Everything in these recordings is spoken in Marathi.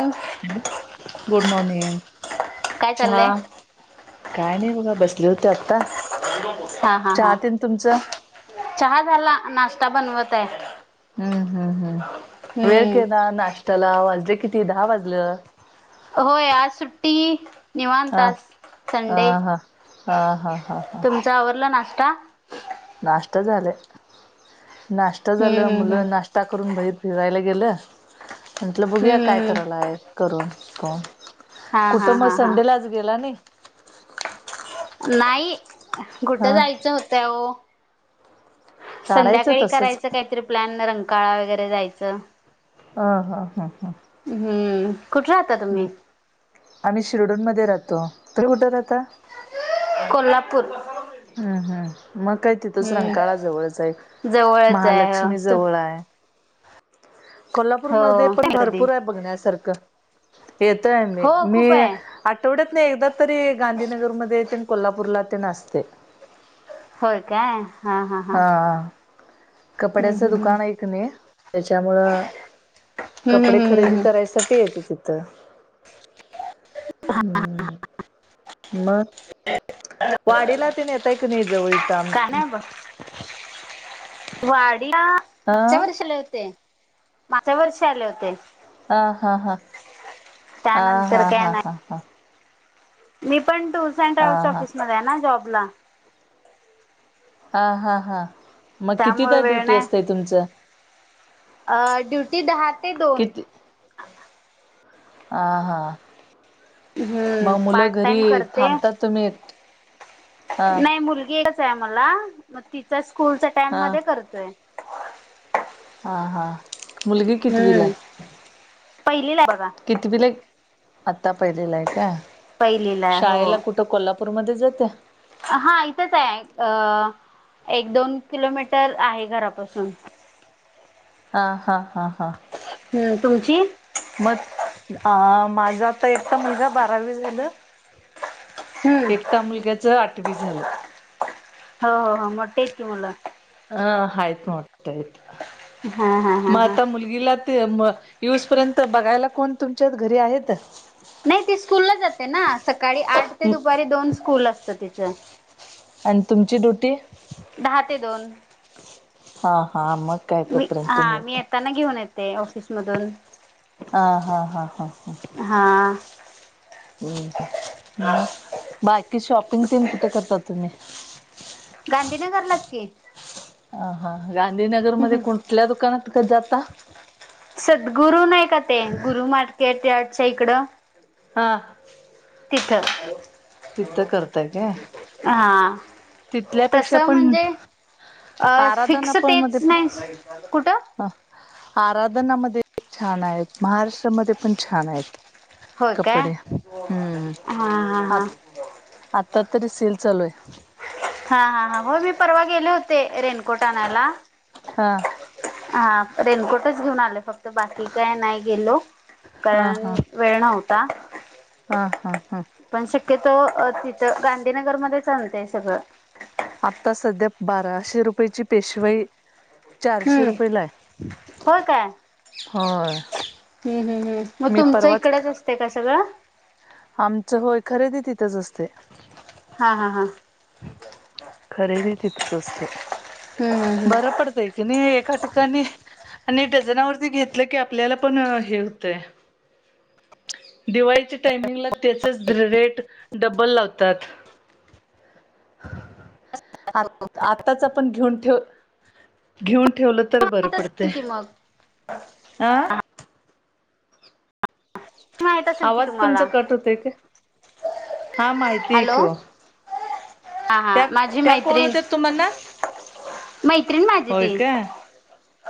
काय गुड मॉर्निंग चहा चाललंय काय नाही बघा, बसले होते आता. हा हा हा चहा झाला, नाश्ता बनवत आहे. हम्म हम्म हम्म वेळ हम्म केला, ना नाश्त्याला वाजले किती दहा वाजलं. हो या सुुट्टी. निवां हा तास हा संडे, हा हा हा हा तुमचा आवरवरला नाश्ता. नाष्ट्तता झाले. नाष्ट्ता झाला हम्म हम्म मुलं, नाश् ता करून बाई फिरायला गेलं म्हटलं बघूया हम्म काय हम्म करायला आहे. करून हो हा हा कुठं मग, हा हा संडेलाच गेला नाही. नाही कुठं हा जायचं होतं हो. काढायचं संध्याकाळी तसंच करायचं काहीतरी प्लॅन रंगकाळा वगैरे जायचं. ह हा हा हा. हम्म कुठ्रात आम्ही शिरोडूनमध्येध्ये राहतो तु कुठं राहता. कोल्हापूर हम्म हम् मग काय? तिथंच हम्म रंकाळा जवळच आहे जवळच आहे हो महालक्ष्मी तू जवळ आहे. हो कोल्हापूरमध्ये पण कधी भरपूर आहे बघण्यासारखं येतोय आम्ही हो मी खूप आहे आठवड्यातना एकदा तरी गांधीनगरमध्ये येते नं कोल्हापूरला तेन असते. होय का हा हम्म कपड्याचं हम्म हम्म दुकान हाय कनी त्याच्यामुळं हम्म कपडे हम्म खरेदी हम्म हम्म करायसाठी ये तिथ त हम्म म वाडीला ते नेताय क नाय जवळीत का नाय ब वाडीला मागच्या अ वर्षी ला होते मागच्या वर्षी आले होते. हा हा हा आ त्यानंतर हा काय हा नाही हा मी पण टूर्स अँड ट्रॅव्हल्स हा हा ऑफिसमध्ये आहे ना जॉब ला हा हा हा मग किती त्यामुळे दा वेळ ड्युटी नाही असतय तुमचं अ ड्युटी दहा ते दोन. आ हा हम्म मग मुलं पार्ट घरी टाइम थांबतात तुम्हीत नाय मुलगी एकच हाय आम्हला मग तिचा स्कूलच्या टाईम हा मध्ये करतोय. हा हा मुलगी कितीवीलाय. पहिलीलाय बघा कितीवीलाय आता पहिलीलाय का पहिलीला आहे शाळेला हो कुठ त कोल्हापूरमध्ये जाते. हा इथंच आहे अ एक दोन किलोमीटर आहे घरापासून हा हा हा हा हूं तुमची मग अ माझा आता एकटा मुलगा बारावी झालं हम्म एकटा मुलग्याच आठवी झालं. हो हो हो मोट्टी हाईत की मुल अ हाईत मोटी हाईत हा हा हा मं हा आता मुल गिला ते मं येऊस पर्यंत बघायला कोण तुमच्यात घरी आहेत. नाय ती स्कूलला जाते ना सकाळी आठ ते दुपारी दोन स्कूल असत तिचं आणि तुमची ड्युटी दहा ते दोन हा हा मग काय मी तोपर्यंत तुम्ही हा मी आता येताना घेऊन येते ऑफिसमधून आ हा हा हा हा. हा अहम्मं मग बाकी शॉपिंग तेनं कुठ करता तुम्ही गांधी नगरलाच की, अ हा गांधीनगरमध्ये कुठल्या दुकानात कं जाता सद्गुरु नाय का ते गुरु मार्केट या च्या इकड हां तिथं करताय काय हा तस तिथल्यापेक्षा पण म्हणजे अ आराधना फिक्स तेच नाय कुठं अ आराधनामध्ये छान आहेत. महाराष्ट्रामध्ये पण छान आहेत. होय काय कपडे हम्म हा हा हा आत आत्ता तरी सेल चालूय. हा हा हा हो मी परवा गेले होते रेनकोट आणाला. हां. हा रेनकोटच घेऊन आल फक्त बाकी काय नाय गेलो. हा हा कारण वेळ नव्हता हा हा हा पण शक्यतो अ तिथं गांधीनगरमध्येचं आणते सगळं आता सध्या बाराशे रुपयेची पेशवाई. चारशे हम्म रुपये लाय होय होय. हम् हमम् मग मी तुमचं परवाच इकडंच असते का सगळं. आमचं होय खरेदी तिथंच असते. हा हा हा. खरेदी तिथेच असते. हम्म ह. पडतय की नाही एका ठिकाणी आणि डझनावरती घेतलं की आपल्याला पण हे होतंय. दिवाळीच्या टायमिंगला त्याचच रेट डबल लावतात. आ आताच आपण घेऊन ठेव घेऊन ठेवलं. तर बरं माहित पडते असेल की मग हा. माहित असेल की आवाज तुमचा तुम्हाला कट होतय का हा माहिती आहे हॅलो की ओ. हा हा त्या माझी त्या कोण मैत्रीण होत्या तुम्हाना. मैत्रीण माझी होय ती. काय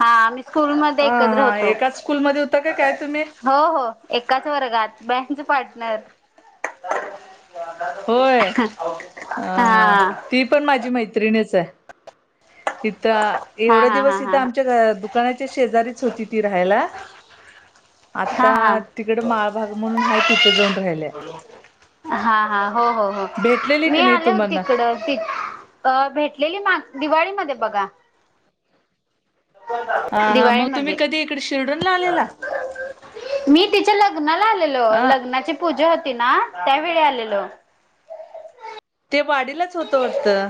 हा मी स्कूल म अ एकत्र हा होतो. एकाच स्कूलमध्ये होता का काय तुम्ही हो हो एकाच वर्गात बँच पार्टनर. होय अ हा ह ती पण माझी मैत्रिणीच आहे. इथ हा एवढा हा हा दिवस इथं हा आमच्या दुकानाच्या शेजारीच होती ती राहायला. हा आता हा तिकड माळभग म्हणून हा तिथे जाऊन राहिलं. हा हा हो हो हो की मी नाही आले होते तुम्हाना तिकडं त अ भेटलेली माग दिवाळीमध्ये बघा‌ हा हा मग तुम्ही दिवाळीमध्ये. कधी इकडे शिर्डूनला आलेला मी तिच्या लग्नाला आलेलो अ लग्ना पूजा होती ना त्यावेळी आलेल. ते वाडीलाच होतं वाटतं.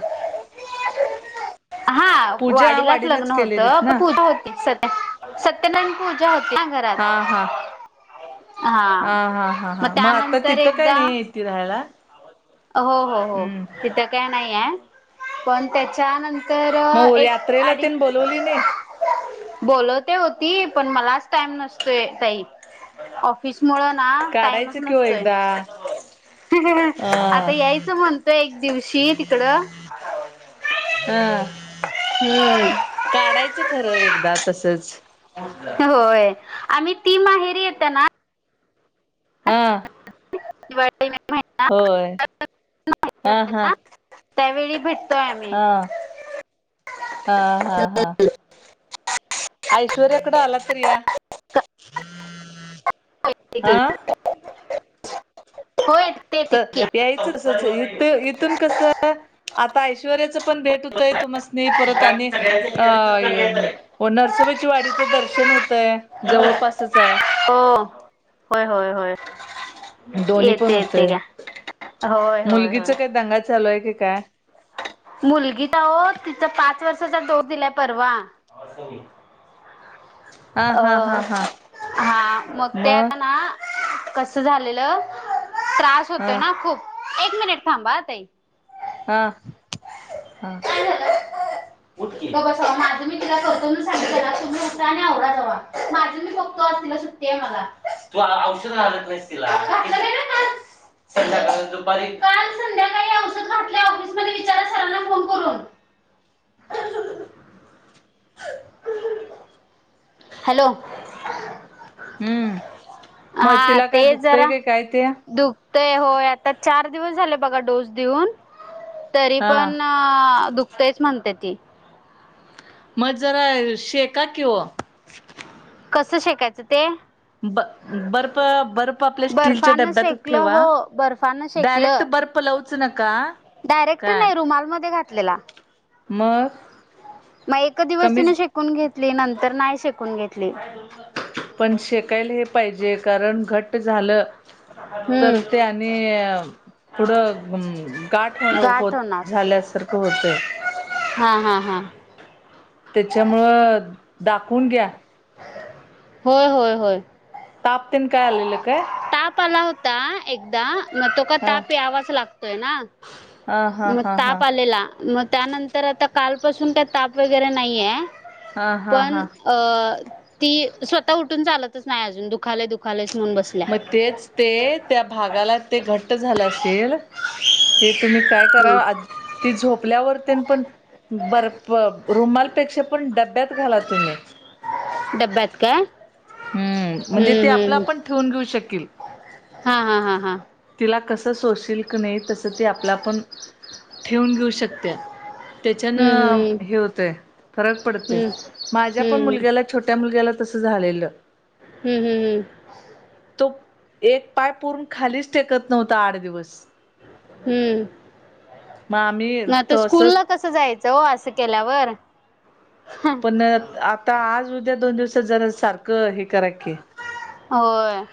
हा पूजा वाडीलाच लग्न होतं केलेलीत पण ना पूजा होती. सत्यनारायण पूजा होती ना घरात. हा हा हा हा हा मग हा आता त्यानंतर तिथं काय एकदा. नाही ती राहायला हो हो हो हम्म तिथं काय नाही आहे पण त्याच्यानंतर. तर मग एक यात्रेला तेन अडीच. बोलवली नाही बोलवते होती पण मलाच टाइम नसतोय तही. ऑफिस मुळ ना टाईमच काढायचं कि ओ नसतोय. एकदा अ आता यायचं म्हणतोय एक दिवशी तिकडं. हा. ही [unintelligible] काढायचं खरं एकदा तसच. होय आम्ही ती माहेरी येत ना. हा. वा नाही. होय हा हा. ना त्यावेळी भेट. हा हा हा हा. ऐश्वरयकड आलात तर या. हा हो य ते. तर यायचं असच इथ इथून कसं. आता ऐश्वर्याचं पण भेट होतंय तुमासनी परत आणि अ की हो नरसोबाची वाडीचं दर्शन होतय जवळपासच आहे. हो होय होय हो. दोन्ही पण येते येते होतय का होय होय मुलगीच होय. काय दंगा चालूय की काय. मुलगी तर हो, तिचा पाच वर्षाचा डोस दिलाय परवा. हा अ हा हा हा हा, मग ते आता ना कस झालेलं, त्रास होतो हा ना खूप, एक मिनिट थांबा ताई. हा हा उठ की, ग बसा ओ, माझं मी तिला करतो म्हणून सांगितलं ना, तुम्ही उठा आणि आवरा जावा, माझं मी बघतो आज तिला ते मला, तू औषध घालत नाहीस तिला, घातलं नाही का काल? संध्याकाळ दुपारी, काल संध्याकाळी औषध घातलंय ऑफिस मध्ये विचारा सरांना फोन करून [unintelligible] हॅलो! हम्म मग हा तिला काय ते दुखतंय जरा काय काय ते दुक ते होय, आता चार दिवस झाले बघा डोस देऊन, तरी हा पण हा, दुखतयच म्हणते ती. मग जरा शेका की ओ. कसं शेकायचं ते? ब बर्फ बर्फ आपल्या स्टीलच्या बर्फानं डब्यात शेकलं ठेवा, हो बर्फानं डायरेक्ट शेकलं बर्फ पलंच लावुच नका. डायरेक्ट काय नाही रुमाल मध्ये घातलेला, मग मग एक दिवस तिने कमीच शे कून घेतली, नंतर नाही शेकून घेतली. पण शेकायला हे पाहिजे, कारण घट्ट झालं तर हम्म ते आणि अ पुढं गाठ हो गाठ होत होणार झाल्यासारखं होतंय. हा हा हा त्याच्यामुळं, दाखवून घ्या. होय होय होय ताप तेन काय आलेलं काय? ताप आला होता एकदा, मग तो का हा ताप यावाच लागतोय ना? हा हा मग हा हा ताप आलेला. मग त्यानंतर आता कालपासून काय ताप वगैरे नाहीए. हा हा पण हा अ ती स्वतः उठून चालतच नाही अजून दुखायलय दुख कालयच म्हणून बसल्या. मग तेच ते, त्या भागाला ते घट्ट झालं असेल ते तुम्ही काय करा, हम्म ती झोपल्यावर तेन पण बर्प, रुमालपेक्षा पण डब्यात घाला तुम्ही. डब्ब्यात काय? हम्म, म्हणजे ते हम्म आपलं हम्म हम्म आपण ठेवून घेऊ शकील. हा हा हा हा. तिला कसं सोशील की नाही, तसं ती आपल्या आपण ठेवून घेऊ शकत्या. त्याच्यानं हम्म हे होतंय फरक हम्म पडतंय, हम्म माझ्या पण हम्म हम्म हम्म मुलग्याला छोट्या मुलग्याला तसं झालेलं. हम्म हम्म हम्म तो एक पाय पूर्ण खालीच टेकत नव्हता आठ दिवस. हम्म म आम्ही ना तो स्कूल तसंच ला कसं जायचं हो, असं केल्यावर. पण, आता आज उद्या दोन दिवसात जरा सारखं हे करा की होय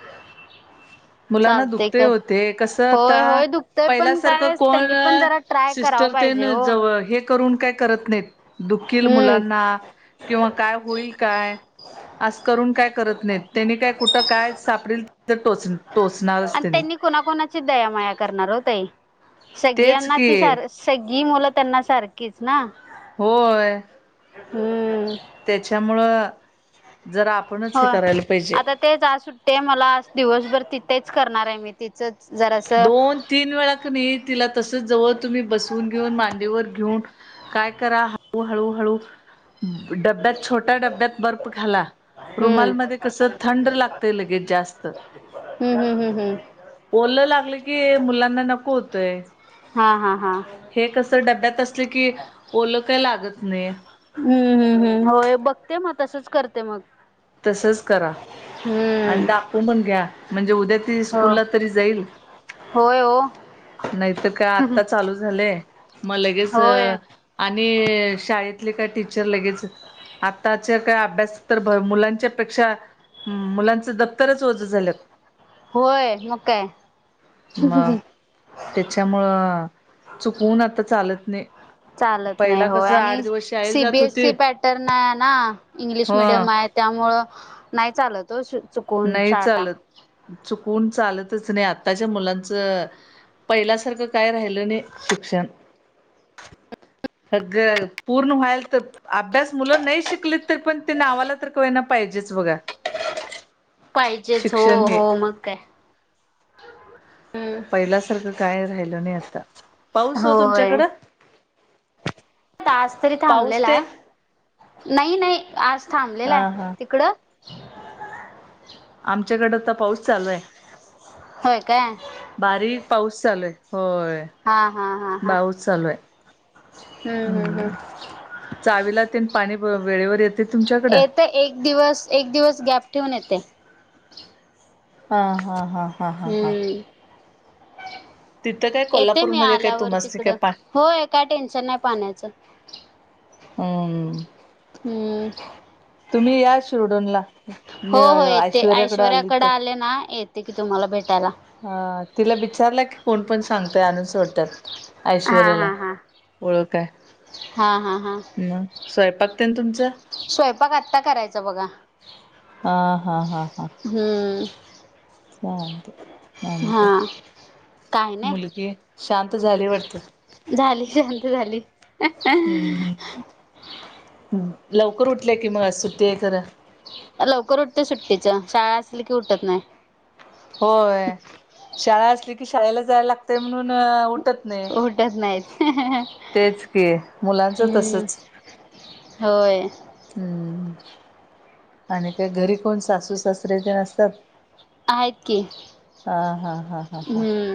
मुलांना चालते दुखतंय कर ओ ते, कसं आता होय होय दुखतय पण पहिल्यासारखं काय कोण त्यांनी अ पण जरा ट्राय करावा सिस्टर ते पाहिजे ना हो जवळ हे करून काय करत नाही, दुखील हम्म मुलांना किंवा काय होईल काय? अस करून काय करत नाहीत त्याने काय कुठं काय सापडेल तिथं टोच आणि त्यांनी कुणाकुणाची दया माया करणार होतय तेच सगळयाना की ती सार सगळी मुलं त्यांना सारखीच ना? होय हम्म त्याच्यामुळं जर आप हो आता तेच आ सुट्टी आहे मला आज दिवसभर तिथेच करणार आहे मी तिचंच जरासं दोन, तीन वेळा क नाही तिला तसच जवळ तुम्ही बसवून घेऊन मांडीवर घेऊन काय करा हळू हळूहळू डब्यात छोट्या डब्यात बर्फ घाला. हम्म रुमालमध्ये कसं थंड लागतय लगेच जास्त. हम्म हम हम्म हम बोललं लागलं की मुलांना नको होतय. हा हा हा हे कसं डब्यात असलं की ओलं काय लागत नाही. हम्म हम् हम् होय बघते मग तसंच करते मग. तसंच करा. आणि हम्म दाखवू पण घ्या म्हणजे उद्या त हो स्कूलला तरी जाईल. होय हो नाहीत काय आता चालू झालंय मग लगेच होय आणि शाळेतले काय टीचर लगेच आताच्या काय अभ्यास तर मुला मुलांच दप्तरच ओझ झाल्यात. होय म काय. मग त्याच्यामुळं चुकवून आता चालत नाही. चालत नाही पहिला हो कसं आठ आणि दिवस शाळेला जात सीबीएस ची होतीत पॅटर्न आहे ना इंग्लिश हो मिडियम हाय त्यामुळं नाही चालत. [unintelligible] नाही चालत, चुकून चालतच नाही आत्ताच्या मुलांचं. पहिल्यासारखं काय राहिलं नाही शिक्षण. पूर्ण व्हायल तर अभ्यास मुलं नाही शिकली तर पण ते नावाला तरय ना पाहिजेच बघा. पाहिजेच हो शिक्षण हो हे मग काय. हम्म पहिल्यासारखं काय राहिल नाही आता. पाऊस हो होय तुमच्याकडं? आज तरी पाऊस थांबलेला तेन आहे नाही नाही आज थांबलेला आहे. हा हा. तिकडं? आमच्याकडे तर पाऊस चालू आहे. होय काय बारीक पाऊस चालूय होय. हा हा हा हा पाऊस चालू आहे हम्म हम्म हम्म चावीला तीन पाणी वेळेवर येत येत एक दिवस एक दिवस गॅप ठेवून येते. हा हां हां हम्म तिथं काय येते मी कोल्हापूरमध्ये काय आल्यावर तुम्हासनी काय तिकडं पा होय काय टेन्शन नाही पाण्याचं. हम् हम्म या शिरडूनला हो हो येते ऐश्वर्याकडे आली ऐश्वरवर्याकडे तर आले ना येत. की तुम्हाला भेटायला. हा तिला विचारला की कोण पण सांगतय अनून सोडतात. हा ऐश्वर्याला हा हा. ओळखय. हा हा हा ह स्वयंपाक तेन तुमचं? स्वयंपाक आत्ता करायचा बघा हा हा हा हा हम्म हा नन हा का काय नाही मुलगे शांत झाली वाटते झाली शांत झाली. हम् लवकर उठले की मग अस सु ते आहे खरां लवकर उठते सुट्टीच शाळा असेल की उठत नाही होय शाळा असली की शाळेला जायला लागतेय म्हणून उठत नाही उटच नाहीत तेच की मुलांचं हम्म तसच होय हम्म आणि काय घरी कोण सासू सासरे ते नसतात. आहेत की हा हा हा हा हा. हम्म.